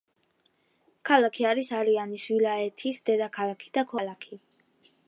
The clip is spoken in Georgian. ქალაქი არის არიანის ვილაიეთის დედაქალაქი და ქვეყნის მერვე უდიდესი ქალაქი.